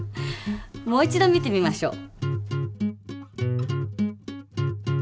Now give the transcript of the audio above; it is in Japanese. もう一度見てみましょう。